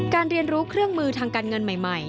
เรียนรู้เครื่องมือทางการเงินใหม่